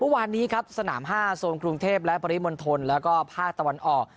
เมื่อวานนี้ครับสนาม๕โซนกรุงเทพและปริมณฑลแล้วก็ภาคตะวันออก